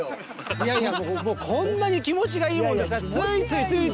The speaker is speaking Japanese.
いやいやこんなに気持ちがいいもんですからついつい。